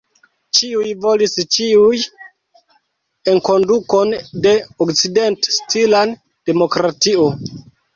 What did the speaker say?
Ĉiuj volis ĉiuj enkondukon de okcident-stilan demokratio.